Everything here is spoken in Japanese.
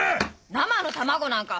生の卵なんか！